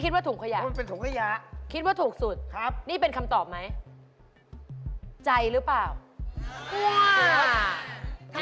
เอ่อวางอันนี้ด้วยอันนี้เท่าไหร่ล่ะ